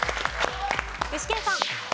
具志堅さん。